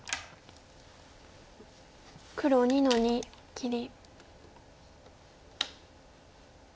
黒２の二切り。